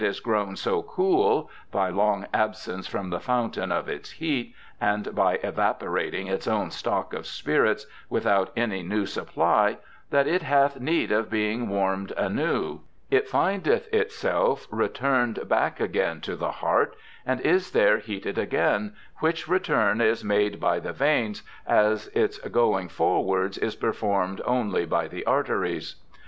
j grown so coole (by long absence from the fountaine of its heate ; and by evaporating its owne stocke of spirits, without any new supply) that it hath need of being warmed anew ; it findeth itself returned backe againe to the hart, and is there heated againe, which returne is made by the veines, as its going forwardes, is performed only by the arteries.'